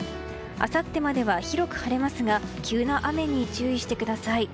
あさってまでは広く晴れますが急な雨に注意してください。